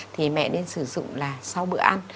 thì mẹ nên sử dụng là sau bữa ăn